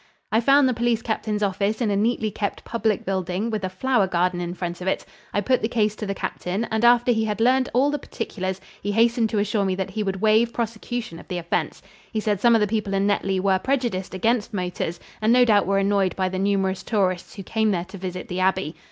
I found the police captain's office in a neatly kept public building with a flower garden in front of it. I put the case to the captain, and after he had learned all the particulars he hastened to assure me that he would waive prosecution of the offense. He said some of the people in Netley were prejudiced against motors and no doubt were annoyed by the numerous tourists who came there to visit the abbey.